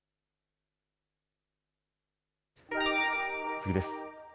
次です。